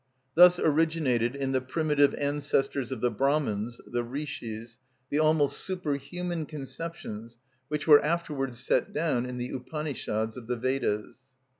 Thus originated in the primitive ancestors of the Brahmans, the Rishis, the almost super human conceptions which were afterwards set down in the Upanishads of the Vedas.